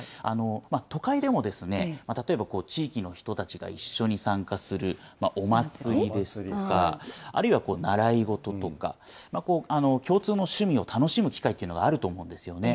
都会でも、例えば地域の人たちが一緒に参加するお祭りですとか、あるいは習い事とか、共通の趣味を楽しむ機会というのがあると思うんですよね。